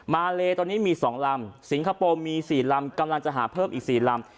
มาเลตอนนี้มี๒ลำสิงคโปร์มี๔ลำกำลังจะหาเพิ่มอีก๔ลำ